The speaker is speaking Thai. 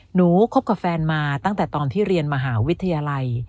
คบกับแฟนมาตั้งแต่ตอนที่เรียนมหาวิทยาลัย